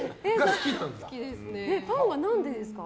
パンは何でですか？